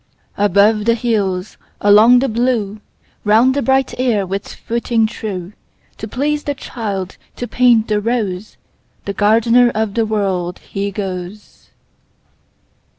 Above the hills, along the blue, Round the bright air with footing true, To please the child, to paint the rose, The gardener of the World, he goes.